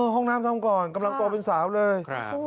ห้องน้ำทำก่อนกำลังโตเป็นสาวเลย